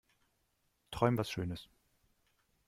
Träum was schönes.